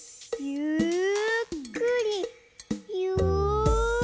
ゆっくり。